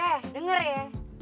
eh denger ya